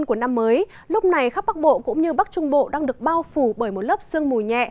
các bắc bộ cũng như bắc trung bộ đang được bao phủ bởi một lớp sương mù nhẹ